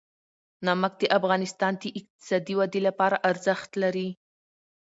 نمک د افغانستان د اقتصادي ودې لپاره ارزښت لري.